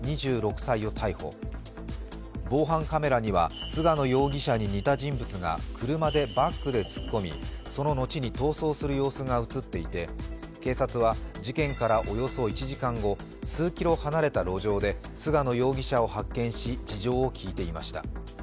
２６歳を逮捕、防犯カメラには菅野容疑者に似た人物が車でバックで突っ込みその後に逃走する様子が映っていて警察は事件からおよそ１時間後数キロ離れた路上で菅野容疑者を発見し、事情を聞いていました。